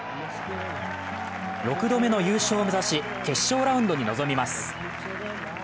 ６度目の優勝を目指し、決勝ラウンドに臨みます。